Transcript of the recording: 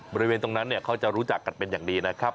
บริเวณตรงนั้นเขาจะรู้จักกันเป็นอย่างดีนะครับ